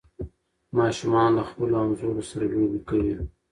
ماشومان له خپلو همزولو سره لوبې کوي.